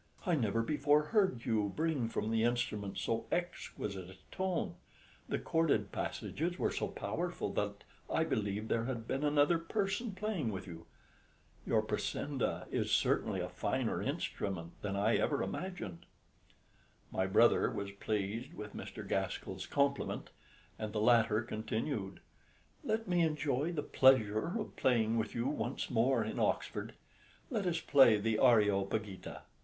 I never before heard you bring from the instrument so exquisite a tone: the chorded passages were so powerful that I believed there had been another person playing with you. Your Pressenda is certainly a finer instrument than I ever imagined." My brother was pleased with Mr. Gaskell's compliment, and the latter continued, "Let me enjoy the pleasure of playing with you once more in Oxford; let us play the 'Areopagita.'"